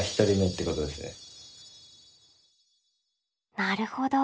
なるほど。